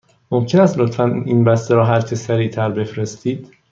ممکن است لطفاً این بسته را هرچه سریع تر بفرستید؟